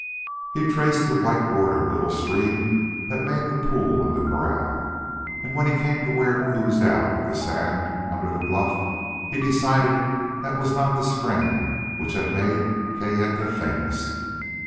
He traced the white bordered little stream that made the pool in the corral, and when he came to where it oozed out of the sand under the bluff he decided that was not the spring which had made Kayenta famous.